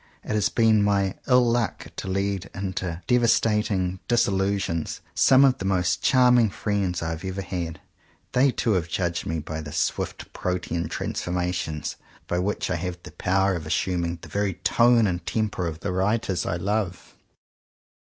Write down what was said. It has been my ill luck to lead into devastating disillusion some of the most charming friends I have ever had. They too have judged me by the swift Protean transformations, by which I have 28 JOHN COWPER POWYS the power of assuming the very tone and temper of the writers I love.